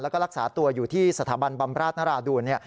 แล้วก็รักษาตัวอยู่ที่สถาบันบำราชนราดูล